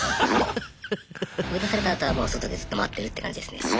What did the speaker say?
追い出されたあとはもう外でずっと待ってるって感じですね。